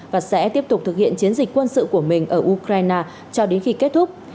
và sẽ tiếp tục thực hiện chiến dịch quân sự của mình ở ukraine cho đến khi kết thúc